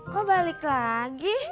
kok balik lagi